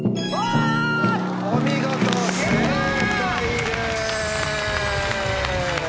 お見事正解です。